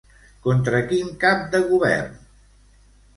Contra quin cap de govern?